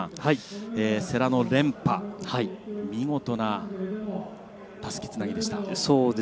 世羅の連覇見事なたすきつなぎでした。